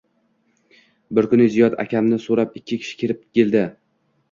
Bir kuni Ziyod akamni soʻrab, ikki kishi kirib keldi